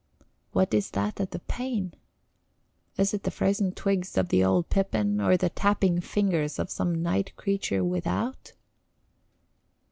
What is that at the pane? Is it the frozen twigs of the old pippin, or the tapping fingers of some night creature without?